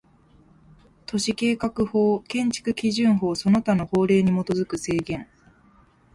都市計画法、建築基準法その他の法令に基づく制限